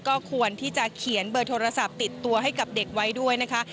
ก็ควรที่จะเขียนเบอร์โทรศัพท์ติดตัวให้กับเด็กไว้ด้วยนะคะ